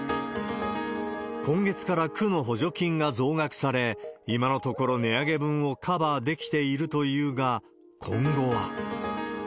今月から区の補助金が増額され、今のところ値上げ分をカバーできているというが、今後は。